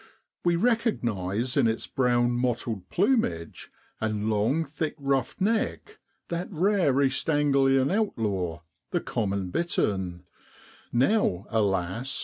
We recog nise in its brown mottled plumage, and long, thick ruffed neck, that rare East Anglian outlaw, the common bittern, now, alas